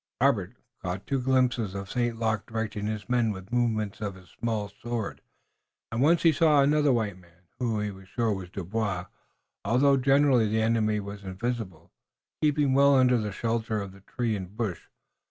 Robert caught two glimpses of St. Luc directing his men with movements of his small sword, and once he saw another white man, who, he was sure was Dubois, although generally the enemy was invisible, keeping well under the shelter of tree and bush.